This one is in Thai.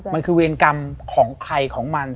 มันคือเวรกรรมของใครของมัน